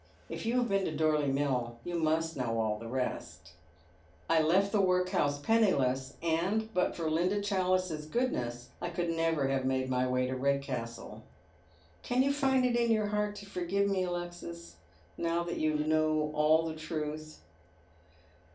If you have been to Dorley Mill you must know all the rest. I left the work bouse penniless, and but. for Linda Challice's goodness I conW 823 Dead MerCs iShoet. never have made my way to Eedcastle. Can you find k m your heart to forgive me, Alexis, now that you know all the truth